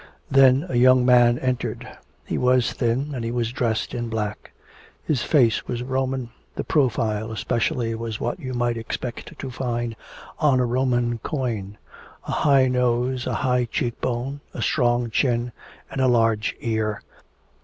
Then a young man entered. He was thin, and he was dressed in black. His face was Roman, the profile especially was what you might expect to find on a Roman coin a high nose, a high cheekbone, a strong chin, and a large ear.